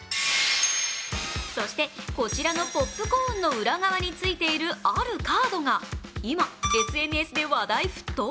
そして、こちらのポップコーンの裏側についている、あるカードが今ＳＮＳで話題沸騰。